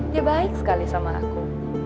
dia baik sekali sama aku